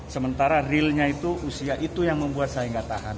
sementara realnya itu usia itu yang membuat saya nggak tahan